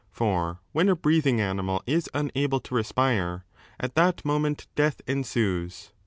For when a breathing animal is unable to respire, at that moment death ensues.